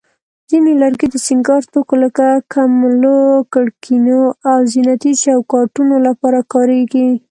ځینې لرګي د سینګار توکو لکه کملو، کړکینو، او زینتي چوکاټونو لپاره کارېږي.